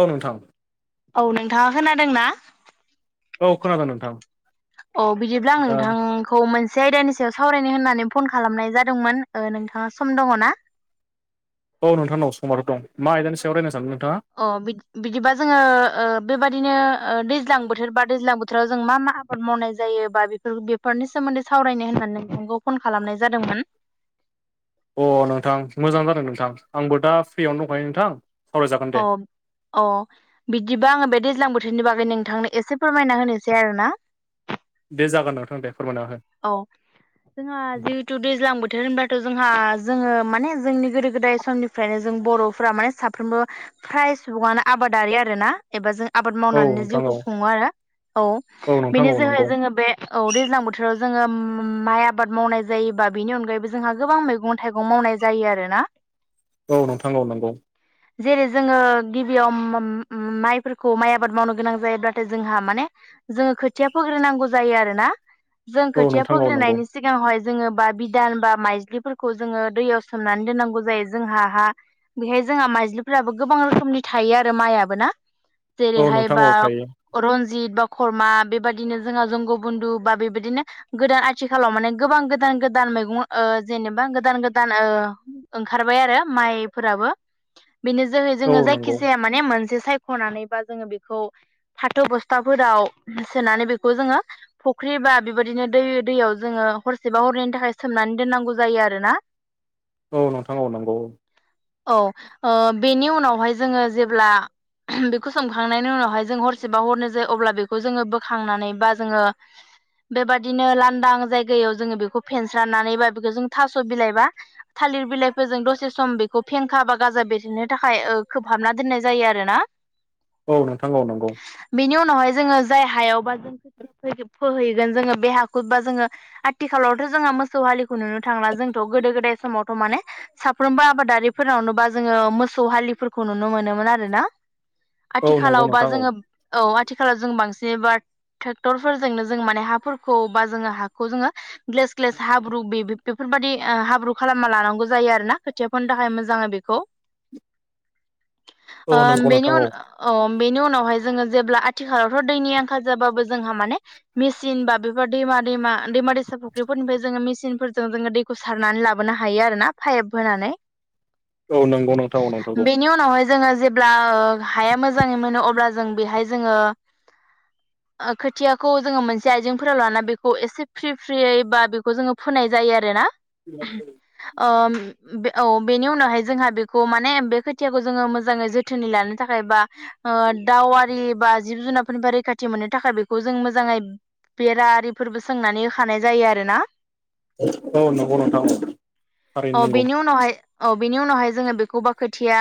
औ नोंथां औ नोंथाङा खोनादोंना औ खोनादों नोंथां अ बिदिब्ला आं दा नोंथां खौ मोनसे आयदानि सायाव सावरायनो होननानै फन खालामनाय जादोंमोन ओ नोंथाङा सम दङना औ नोंथां दं समावथ' मा आयदानि सायाव रायलायनो सानदों नोंथाङा? अ बिदिबा जोङो ओ बेबायदिनो ओ दैज्लां बोथोर बा दैज्लां बोथोराव जों मा मा मावनाय जायो बा बेफोर बेफोरनि सोमोन्दै सावरायनो होननानै नोंथांखौ फन खालामनाय जादोंमोन। अ नोंथां मोजां जादों नोंथां आंबो दा फ्रियावनो दंखायो नोंथां सावरायजागोन दे अम अ बिदिबा आङो बे दैज्लां बोथोरनि बागै नोंथांनो एसे फोरमायना होनोसै आरोना दे जागोन नोंथां दे फोरमायना हो औ जोंहा जि थ' दैज्लां बोथोर होनब्लाथ' जोंहा जोङो माने जोंनि गोदो गोदाय समनिफ्रायनो जों बर'फोरा माने साफ साफ्रोमबो फ्राय सुबुङानो आबादारि आरोना। एबा जों आबाद हो औ मावनानैनो नोंथां औ जिउखौ खुङो आरोना औ नोंथां बिनि औ जोहै नंगौ जोङो बे औ दैज्लां बो थोराव जोङो माइ आबाद मावनाय जायोबा बिनि अनगायैबो जोंहा गोबां मैगं थाइगं मावनाय जायो आरोना। [inaudible] औ नोंथां औ नोंगौ। जेरै जोङो गिबियाव माइफोरखौ माइ आबाद मावनो गोनां जायोब्लाथाय जोंहा माने जोङो खोथिया फोग्रोनांगौ जायो आरोना जों औ खोथिया नोंथां औ नंगौ फोग्रोनायनि सिगांआवहाय जोङो बा बिदान बा माइज्लिफोरखौ जोङो दैयाव सोमनानै दोननांगौ जायो जोंहा हा बेहाय जोंहा माइजलिफोराबो गोबां रोखोमनि थायो आरो माइयाबो ना? औ जेरैहाय नोंथां बा औ थायो रन्जित बा खरमा बेबायदिनो जोंहा जंग बन्दु बा बेबायदि बिदिनो गोदान आथिखालाव माने गोबां गोदान गोदान मैगं जेनेबा गोदान गोदान ओंखारबाय आरो माइफोराबो बेनो जोहै औ जोङो नंगौ जायखिजाया माने मोनसे सायख'नानैबा जोङो बेखौ फाथ' बस्थाफोराव सोनानै बेखौ जोङो फुख्रि बा बेबायदिनो दै दैयाव जोङो हरसेबा हरनैनि थाखाय सोमनानै दोननांगौ जायो आरोना। औ नोंथां औ नंगौ औ ओ बेनि उनावहाय जोङो जेब्ला बेखौ सोंखांनायनि उनावहाय जों हरसेबा हरनो जायो अब्ला बेखौ जोङो बोखांनानै बा जोङो बेबादिनो लांदां जायगायाव जोङो बेखौ फेनस्राननानै बा बेखौ जों थास' बिलाइबा थालिर बिलाइफोरजों दसे सम बेखौ फेंखा बा गाजा बेरेनो थाखाय खोबहाबना दोननाय जायो आरोना। [inaudible] औ नोंथां औ नोंगौ बेनि उनावहाय जोङो जाय हायावबा जों खोथि फोहै गोन जोङो बे हाखौ बा जोङो आथिखालावथ' जोंहा मोसौ हालिखौ नुनो थांला जोंथ' गोदो गोदाय समाव [unintelligible] माने साफ्रोमबो आबादारिफोरावनोबा जोङो मोसौ हालिफोरखौ नुनो मोनोमोन आरोना। औ नंगौ आथिखालाव बा नोंथां औ जोङो औ आथिखालाव जों बांसिन बा ट्रेक्टरफोरजोंनो जों माने हाफोरखौ बा जोङो हाखौ जोङो ग्लेस ग्लेस हाब्रु बे बेफोरबायदि हाब्रु खालामना लानांगौ जायो आरोना खोथियाफोरनि थाखाय मोजाङै बेखौ। औ ओ नंगौ बेनि नोंथां औ उन औ बेनि उनावहाय जोङो जेब्ला आथिखालावथ' दैनि आंखाल जाबाबो जोंहा माने मेसिन बाफोर दैमा दैमा दैमा दैसा फुख्रिफोरनिफ्राय जोङो मेसिनफोरजों जोङो दै खौ सारनानै लाबोनो हायो आरो ना पाइप होनानै। औ नंगौ नोंथां औ नोंथारगौ बेनि उनावहाय जोङो जे ब्ला हाया मोजाङै मोनो अब्ला जों बेहाय जोङो ओ खोथियाखौ जोङो मोनसे आइजेंफोराव लाना बेखौ एसे फ्रि फ्रियै बा बेखौ जोङो फोनाय जायो आरोना। [unintelligible] ओम औ बेनि उनावहाय जोंहा बेखौ माने बे खोथियाखौ जोङो मोजाङै जोथोनै लानो थाखाय बा ओ दावारि बा जिब जुनारफोरनिफ्राय रैखाथि मोननो थाखाय बेखौ जों मोजां मोजाङै बेरा आरिफोरबो सोंनानै होखानाय जायो आरोना। औ नोंथां औ औ थारैनो नंगौ। बेनि उनावहाय औ बिनि उनावहाय जोङो बेखौ बा खोथिया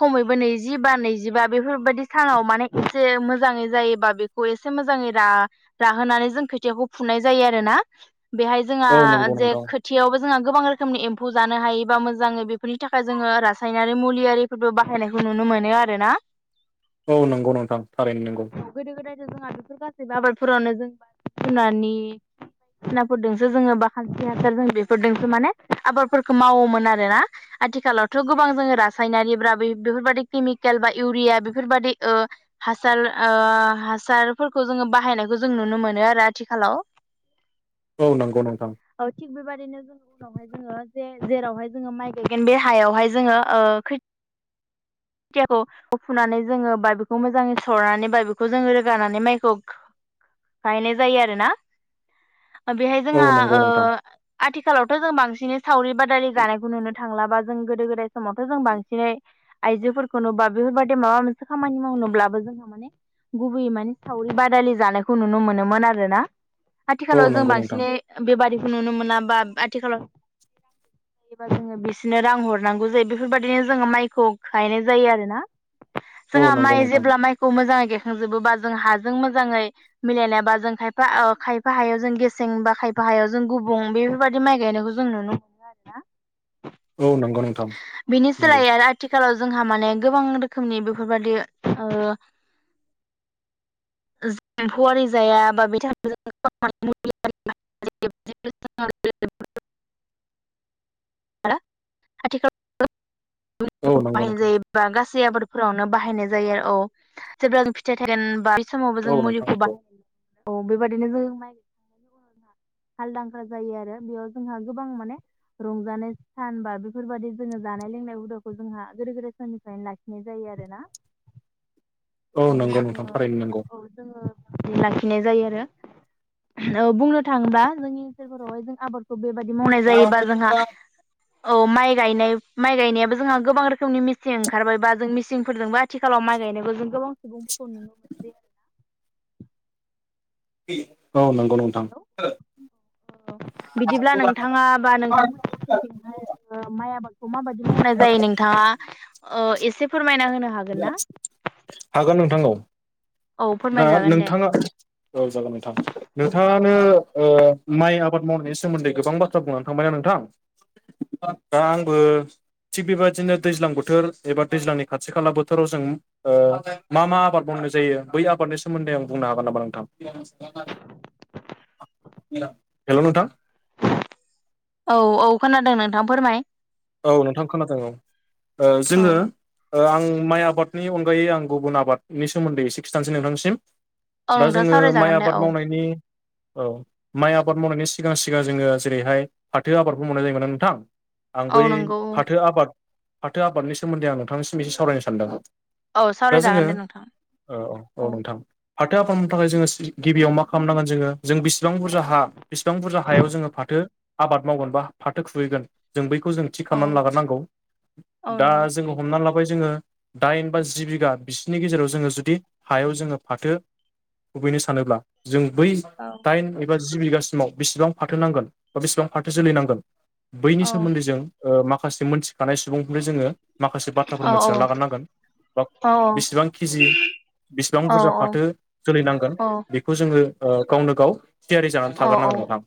खमैबो नैजिबा नैजिबा बेफोरबायदि सानाव माने एसे मोजाङै जायोबा बे एसे मोजाङै रा राहोनानै जों खोथियाखौ फुनाय जायो आरोना बेहाय जोंहा औ नंगौ जे नोंथां खो थियावबो जोंहा गोबां रोखोमनि एम्फौ जानो हायो बा मोजाङै बेफोरनि थाखाय जोङो रासायनारि मुलियारि फोरबो बाहायनायखौ नुनो मोनो आरोना। औ नंगौ नोंथां थारैनो नोंगौ। गोदो गोदायथ' जोंहा बेफोर गासैबो आबादफोरावनो जों [unintelligible] [unintelligible] फोरजोंसो जोङो बा खान्स्रि हासार जों बेफोरजोंसो माने आबादफोरखौ मावोमोन आरोना। आथिखालावथ' गोबां जोङो रासायनारि ब्रा बेफोरबदि केमिकेल बा इउरिया बेफोरबादि ओ हासार ओ हासारफोरखौ जोङो बाहायनो जों नुनो मोनो आरो आथिखालाव। औ नंगौ नोंथां। ओ थि बेबादिनो जों लावहाय जोङो जे-जेरावहाय जोङो माइ गायगोन बे हायावहाय जोङो ओ खो थियाखौ फुनानै जोङो बा बेखौ मोजाङै सरनानै बा बेखौ जोङो रोगानानै माइखौ गाहनाय जायो आरोना। बेहाय औ जोंहा नंगौ ओ नोंथां आथिखालावथ' जों बांसिनै सावरि बादालि गानायखौ नुनो थांलाबा जों गोदो गोदाय समावथ' जों बांसिनै आइजोफोरखौनो बा बेफोरबायदि माबा मोनसे खामानि मावनोब्लाबो जोंहा माने गुबैयै माने सावरि बादालि जानायखौ नुनो मोनोमोन आरोना। औ आथिखालाव जों नंगौ नोंथां बांसिनै बेबादिखौ नुनो मोना बा आथिखालाव एबा जोङो बिसिनो रां हरनांगौ जायो बेफोरबायदिनो जोङो माइखौ गायनाय जायो आरो ना। औ जोंहा नंगौ माइ नोंथां जेब्ला माइखौ मोजाङै गेखांजोबो बा जों हाजों मोजाङै मिलायनायबा जों खायफा खायफा हायाव जों गेसें बा खायफा हायाव जों गुबुं बेफोरबायदि माइ गायनायखौ जों नुनो मोनो। आरोना औ नंगौ नोंथां। बिनि नंगौ सोलायै आरो आथिखालाव जोंहा माने गोबां रोखोमनि बेफोरबादि ओ एम्फौवरि जाया बा बे [unintelligible] आथिखाल औ [unintelligible] नंगौ बाहायनाय नोंथां जायो। बा गासै आबादफोरावनो बाहायनाय जायो औ जेब्ला जों फिथाइ थागोन बा समावबो जों औ नोंथां मुलिखौ नंगौ बाहायो औ बेबायदिनो जों [unintelligible] हालदांख्रा जायो आरो, बेयाव जोंहा गोबां माने रंजानाय सान बा बेफोरबायाददि जोङो जानाय लोंनाय हुदाखौ जोंहा गोदो गोदाय साननिफ्रायनो लाखिनाय जायो आरोना। औ नंगौ नोंथां। थारायनो नोंगौ। बि लाखिनाय जायो आरो बुंनो थाङोब्ला जोंनि ओनसोलफोरावहाय जों आबाद खौ बेबायदि मावनाय जायोबा जोंहा औ माइ गायनाय माइ गायनायाबो जोंहा गोबां रोखोमनि मिसिं ओंखारबायबा जों मिसिंफोरजोंबो आ आथिखालाव माइ गायनायखौ जों गोबां सुबुंफोरखौ नुनो मोनसै आरो औ नंगौ नो थां हेलौ बिदिब्ला [unintelligible] ओ माइ आबादखौ माबायदि मावनाय जायो नोंथाङा एसे फोरमायना होनो हा हागोन नोंथां औ। औ दा फोरमायजागोन दे नोंथाङा औ जागोन नोंथां। नोंथाङानो ओ माइ आबाद मावनायनि सोमोन्दै गोबां बाथ्रा बुंनानै थांबायना नोंथां, दा आंबो थिग बेबायदिनो दैज्लां बोथोर एबा दैज्लांनि खाथि खाला बोथोराव जों ओ मा मा आबाद मावनाय जायो बै आबादनि सोमोन्दै आं बुंनो हागोन नामा नोंथां? हेल' नोंथां। औ औ खोनादों नोंथां फोरमाय। औ नोंथां खोनादों औ। ओ औ जोङो ओ आं माइ आबादनि अनगायै आं गुबुन आबादनि सोमोन्दै एसे खिन्थानोसै नोंथांनिसिम। दा नोंथां जोङो माइ सावरायजागोन दे औ आबाद मावनायनि औ माइ आबाद मावनायनि सिगां सिगां जोङो जेरैहाय फाथो आबादखौ मावनाय जायोमोनना नोंथां। आं औ बै नंगौ औ फाथो आबाद फाथो आबादनि सोमोन्दै आं नोंथांनिसिम एसे सावरायनो सानदों। औ दा जोङो, सावरायजागोन दे नोंथां औ औ औ नोंथां। फाथो आबाद मावनो थाखाय जोङो गिबियाव मा खालामनांगोन जोङो जों बेसेबां बुरजा हा बेसिबां बुरजा हायाव जोङो फाथो आबाद मावगोन बा फाथो खुबैगोन जों बैखौ जों थिग खालामनानै लाग्रोनांगौ। औ दा नंगौ जोङो हमनानै ला बेखौहाय जोङो दाइन बा जि बिघा बिसिोरनि गेजेराव जोङो जुदि हायाव जोङो फाथो खुबैनो सानोब्ला जों बै औ दाइन एबा जि बिघासिमाव बेसेबां फाथो नांगोन बा बेसेबां फाथो जोलै नांगोन बै औ नि सोमोन्दै जों माखासे मोनथिखानाय सुबुंफोरनो जोङो माखासे बाथ्राफोर औ मोनथिना लागोरनांगोन। बा औ बेसेबां केजि बेसेबां औ बुरजा फाथो जोलै नांगोन औ बेखौ जोङो ओ गावनो गाव थियारि जानानै औ औ थागोरनांगोन नोथां।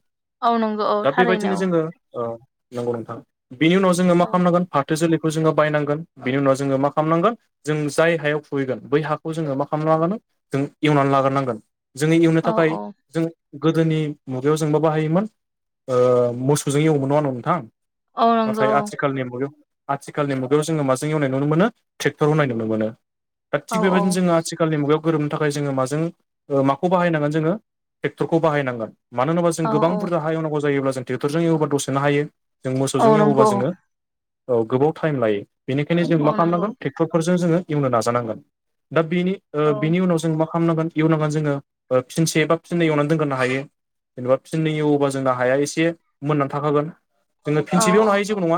औ नंगौ औ दा थारैनो बेबायदिनो जोङो औ नंगौ नोंथां। बेनि उनाव जोङो मा औ खालामनांगोन फाथो जोलैखौ जोङो बायनांगोन बिनि उनाव जोङो मा खालामनांगोन जों जाय हायाव खुबैगोन बै हाखौ जोङो मा खालामना लागोन जों एवनानै लाग्रोनांगोन। जोङो एवनो औ थाखाय औ जों गोदोनि मुगायाव जोंबा बाहायोमोन ओ मोसौजों एवोमोन नङा होनबा नोंथां? औ नाथाय नंगौ आथिखालनि मुगायाव आथिखालनि मुगायाव जोङो माजों एवनाय नुनो मोनो ट्रेक्टर होननाय नुनो मोनो। दा औ थिग बेबायदिनो जोङो आथिखालनि मुगायाव गोरोबनो थाखाय जोङो माजों माखौ बाहायनांगोन जोङो ट्रेक्टरखौ बाहायनांगोन। मानो होनोबा जों औ गोबां औ बुरजा हा एवनांगौ जायोब्ला जों टेकटरजों एवोबा दसेनो हायो। जों मोसौजों औ एवोबा नंगौ जोङो औ गोबाव टाइम लायो। बेनिखायनो जों मा औ नंगौ खालामनांगोन टे क्टरफोरजों जोङो एवनो नाजानांगोन। दा बेनि औ बेनि उनाव जों मा खालामनांगोन एवनोबा जोङो ओ फिनसे एबा फिननै एवनानै दोनग्रोनो हायो। जेनेबा फिननै एवोबा जोंना हाया एसे मोननानै थाखागोन। जोङो औ फिनसेबो एवनो औ हायो जेबो नङा।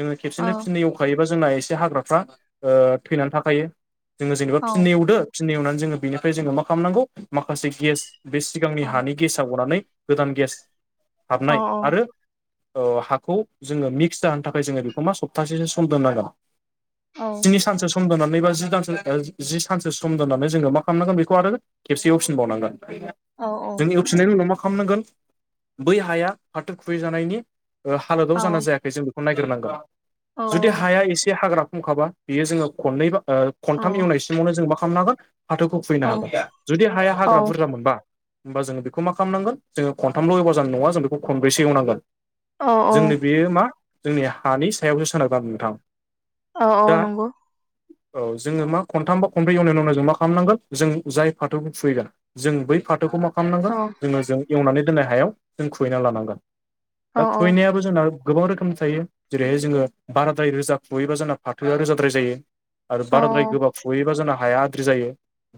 जोङो औ खेबसेनो फिननै ए वखायोबा जोंना एसे हाग्राफ्रा थैनानै थाखायो। जोङो जेनेबा फिननै एवदो फिननै एवनानै जोङो बिनिफ्राय जोङो मा खालामनांगौ माखासे गेस बे औ सिगांनि हानि गेसा गनानै गोदान गेस हाबनाय आरो हाखौ जोङो मिक्स जाहोनो थाखाय जोङो बेखौ मा सप्तासेसो सम दोननांगोन। औ दिनै सानसे सम दोननानै बा जि दानसो ओ जि सानसो सम दोननानै जोङो मा खालामनांगोन बेखौ आरो खेबसे एवफिन बावनांगोन। औ औ जों एवफिननायनि उनाव मा खालामनांगोन बै हाया फाथो खुबैजानायनि ओ औ हालोदाव जाना जायाखै जों बेखौ नायग्रोनांगोन। जुदि हाया एसे हाग्रा खमखाबा यो जोङो खननै बा ओ खनथाम एवनायसिमावनो जोङो मा खालामनांगोन फाथोखौ खुैबैनो हागौ। जुदि हाया हाग्रा बुरजा मोनबा होमबा जोङो बेखौ मा खालामनांगोन जोङो खथाम' एवब जानाय नङा जों बेखौ खनब्रैसो एवनांगोन। औ जोंनो बेयो मा जोंनि हानि सायावसो सोनारो आरो नोंथां। औ औ दा नंगौ। औ जोङो मा खनथाम बा खनबैन उनाव जों मा खालामनांगोन जों जाय फाथोखौ कुइगोन जों बै फाथोखौ मा औ खामनांगोन जोङो जों एवनानै दोननाय हायाव जों खुबुबैना लानांगोन औ दा खुबैनायाबो जोंनाव गोबां रोखोमनि थायो जेरैहाय जोङो बाराद्राय रोजा खुबयोबा जोंना फाथोआ रोजाद्राय जायो आरो औ बाराद्राय गोबाब खुहैयोबा जोंना हाया आद्रि जायो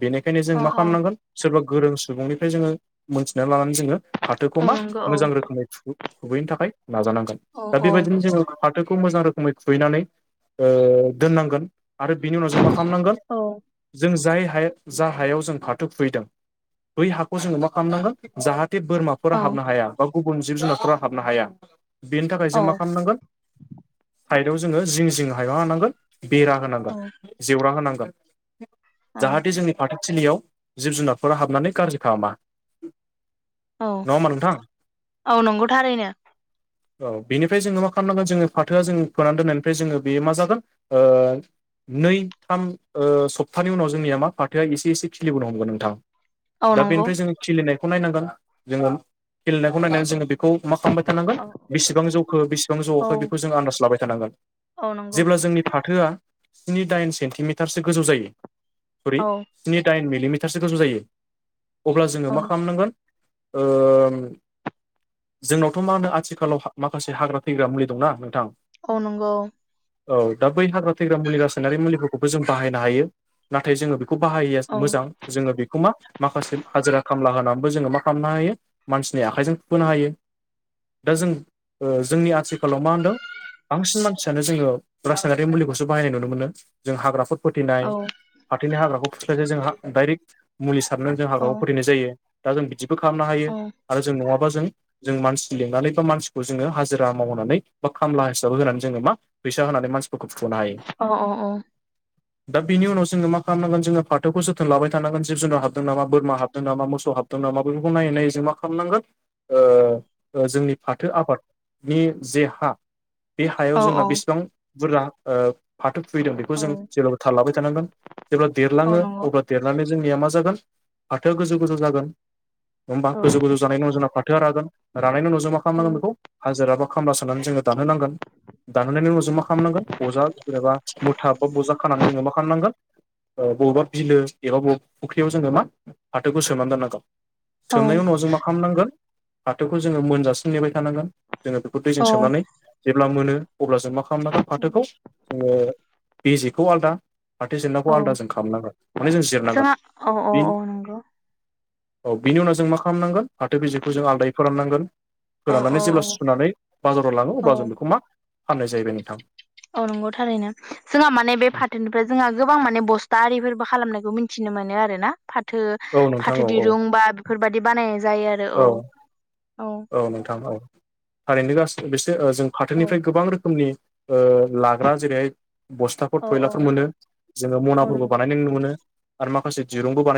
बेनिखायनो औ जों मा खामनांगोन सोरबा गोरों सुबुंनिफ्राय जोङो मोनथिनानै लानानै जोङो फाथोखौ औ मा नंगौ मोजां रोखोमै खुबै खुबैनो थाखाय नाजानांगोन। औ दा औ बेबायदिनो जोङो फाथोखौ मोजां रोखोमै खुबैनानै ओ दोननांगोन आरो बिनि उनाव जों मा खालामनांगोन जों जाय हाया जा हायाव जों फाथो खुबैदों बै हाखौ जोङो मा खालामनांगोन जाहाथे बोरमा फोर हाबनो हाया बा गुबुन जिब जुनारफोरा हाबनो हाया बेनि थाखाय जों मा खामनांगोन साइदआव जोङो जिं जिं हायाव मा होनानांगोन बेरा होनांगोन जेवरा होनांगोन औ जाहाथे जोंनि फाथोथिलिआव जिब जुनारफोरा हाबनानै गाज्रि खालामा औ नङा होमबा नोंथां औ नोंगौथारैनो ओ बेनिफाय जोङो मा खालामनांगोन जोङो फाथोआ जो फोनानै दोननायनिफ्राय जोङो बेयो मा जागोन ओ नै थाम ओ सप्तानि उनाव जोंनिआ मा फाथोआ एसे एसे खिलिबोनो हमगोन नोंथां औ दा नंगौ बेनिफ्राय जोङो खिलिनायखौ नायनांगोन जोङो खेलनायखौ नायनानै जोङो बे मा खालाबाय थानांगोन औ बेसेबां जौखो बेसेबां औ जौआखै बेखौ जों आन्दाज लाबाय थानांगोन औ नंगौ जेब्ला जोंनि फाथोआ स्नि दाइन सेन्टिमिटारसो गोजौ जायो जेरै औ स्नि दाइन मिलिमिटारसो गोसो जायो अब्ला जोङो औ मा खालामनांगोन ओ जोंनावथ' मा होनो आथिखालाव माखासे हाग्रा थैग्रा मुलि दंना नोंथां औ नोंगौ औ दा बै हाग्रा थैग्रा मुलि रासायनारि मुलिफोरखौबो जों बाहायनो हायो नाथाय जोङो बेखौ बाहाययैआ औ मोजां जोङो बेखौ मा माखासे हाजिरा खामला होनानैबो जोङो मा खालामनो हायो मानसिनि आखाइजों फुहोनो हायो दा जों ओ जोंनि आथिखालाव मा होनदों बांसिन मानसिआनो जोङो रासायनारि मुलिखौसो बाहायनाय नुनो मोनो जों हाग्रा फो फोथैनाय औ हाथोनि हाग्राखौ फुस्लायलाय जों दाइरेक्ट मुलि सारनानै जों औ हाग्राखौ फोथनाय जायो दा जों बिदिबो खालामनो हायो आरो जों नङाबा जों जों मानसि लिंनानै बा मानसिखौ जोङो हाजिरा मावनानै बा खामला हिसाबै होनानै जोङो मा फैसा होनानै मानसिफोरखौ फुहोनो हायो औ दा बिनि उनाव जोङो मा खालामनांगोन जोङो फाथोखौ जोथोन लाबाय थानांगोन जिब जुनार हाबदों नामा बोरमा हाबदों नामा मोसौ हाबदों दों माबा बेफोरखौ नायै नायै जों मा खालामनांगोन ओ ओ जोंनि फाथो आबादनि जे हा बे हायाव औ जोंना बेसेबां बुरजा ओ फाथो खुैदों बेखौ जों जेब्लाबो थाल लाबाय थानांगोन जेब्ला औ देरलाङो नंगौ अब्ला देरनानै जोंनिख मा जागोन फाथो गोजौ गोजौ जागोन होमबा औ गोजौ गोजौ जानायनि उनाव जोंना फाथोआ रागोन रानायनि उनाव जों मा खालामनांगोन बेखौ हाजिर बा खामला साननानै जोङो दान होनांगोन दानहोनायनायनि उनाव जों मा खालामनांगोन बजा एबा मुथा बा बुथ बबेबा बिलो एबा बबेबा फुख्रिआव जोङो मा फाथोखौ सोमानै दोननांगौ औ सोमनायनि उनाव जों मा खालामनांगोन फाथोखौ जोङो मोनजासिम नेबाय थानांगोन जोङो बेखौ दैजों औ औ सोमनानै जेब्ला मोनो अब्ला जों मा खालाम खालामनांगोन औ फाथोखौ ओ बेजेखौ आलदा पाथो जेननाखौ आलदासो खालामनांगोन माने जों जिरनांगोन जोंहा औ औ बि औ नंगौ औ बिनि उनाव जों मा खालामनांगोन फाथो बेजेखौ जों आलादायै फोराननांगोन औ औ फोराननानै जेब्ला औ सुनानै बाजाराव लाङो औ अब्ला जों बेखौ मा फाननाय जाहयैबाय नोंथां औ नंगौ थारैनो जोंहा माने बे फाथोनिफ्राय जोंहा गोबां माने बस्था आरिफोरबो खालामनायखौ मिथि मोनथिनो मोनो आरो ना फाथो औ नोंथां फाथो औ औ दिरुं बा बेफोरबादि बानायनाय जायो आरो औ औ नोंथां औ थारैनो ग बेसोर जों औ फाथोनिफ्राय गोबां रोखोमनि लाग्रा जेरैहाय बस्थाफोर औ थयलाफोर औ मोनो जोङो औ मनाफोरखौ नंगौ बानाय नुनो मोनो आरो माखासे दिरुंबो बानाय